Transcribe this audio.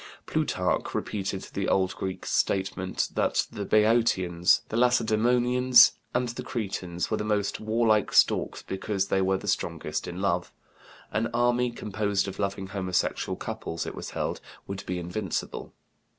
Plutarch repeated the old Greek statement that the Beotians, the Lacedemonians, and the Cretans were the most warlike stocks because they were the strongest in love; an army composed of loving homosexual couples, it was held, would be invincible.